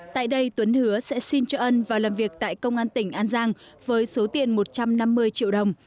tại đây tuấn hứa sẽ xin cho ân vào làm việc tại công an tỉnh an giang với số tiền một trăm năm mươi triệu đồng